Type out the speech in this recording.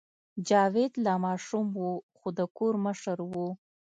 جاوید لا ماشوم و خو د کور مشر و